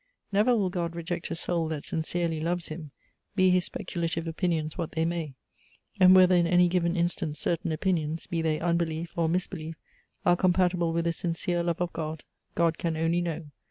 Never will God reject a soul that sincerely loves him: be his speculative opinions what they may: and whether in any given instance certain opinions, be they unbelief, or misbelief, are compatible with a sincere love of God, God can only know.